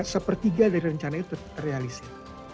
sepertiga dari rencana itu terrealisasi